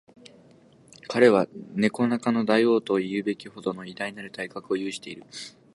彼は猫中の大王とも云うべきほどの偉大なる体格を有している